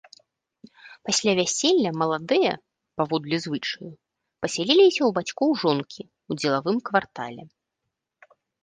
Пасля вяселля маладыя, паводле звычаю, пасяліліся ў бацькоў жонкі, у дзелавым квартале.